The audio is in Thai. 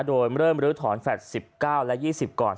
โดยมาเริ่มบริษฐรแฟท๑๙และ๒๐ก่อน